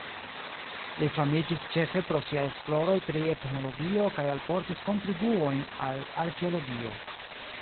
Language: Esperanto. Li famiĝis ĉefe pro siaj esploroj pri etnologio kaj alportis kontribuojn al arkeologio.